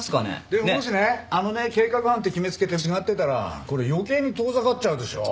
でももしねあのね計画犯って決めつけて違ってたらこれ余計に遠ざかっちゃうでしょ！